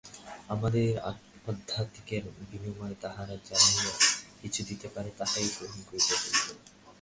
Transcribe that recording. আমাদের আধ্যাত্মিকতার বিনিময়ে তাহারা যাহা কিছু দিতে পারে, তাহাই গ্রহণ করিতে হইবে।